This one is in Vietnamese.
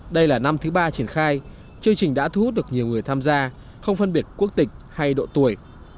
đây là năm thứ ba triển khai chương trình đã thu hút được nhiều người tham gia không phân biệt quốc tịch hay độ tuổi